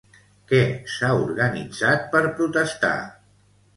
Què s'ha organitzat per protestar?